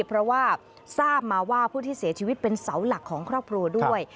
เพราะว่าทราบมาว่าผู้ที่เสียชีวิตเป็นเสาหลักของครอบครัวด้วย